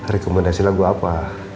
rekomendasi lagu apa